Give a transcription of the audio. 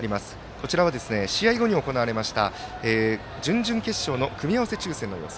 こちらは試合後に行われました準々決勝の組み合わせ抽せんの様子。